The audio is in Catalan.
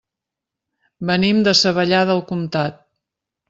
Venim de Savallà del Comtat.